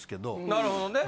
なるほどね。